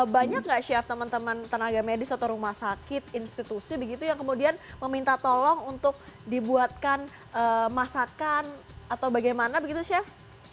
banyak nggak chef teman teman tenaga medis atau rumah sakit institusi begitu yang kemudian meminta tolong untuk dibuatkan masakan atau bagaimana begitu chef